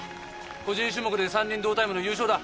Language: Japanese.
個人種目で３人同タイムの優勝だ。